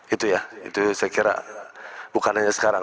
itu ya itu saya kira bukan hanya sekarang